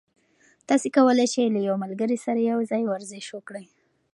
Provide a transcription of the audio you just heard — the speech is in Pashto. تاسي کولای شئ له یو ملګري سره یوځای ورزش وکړئ.